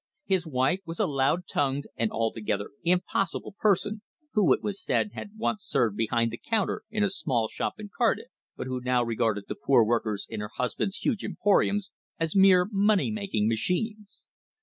His wife was a loud tongued and altogether impossible person, who, it was said, had once served behind the counter in a small shop in Cardiff, but who now regarded the poor workers in her husband's huge emporium as mere money making machines.